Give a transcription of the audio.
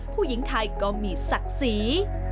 ผู้หญิงไทยก็มีศักดิ์ศรี